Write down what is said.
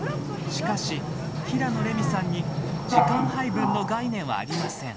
しかし、平野レミさんに時間配分の概念はありません。